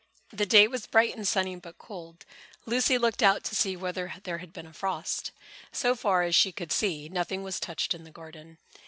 The day was bright and sunny but cold. Lucy looked out to see whether there had been a frost. So far as she could see, nothing was touched in the garden.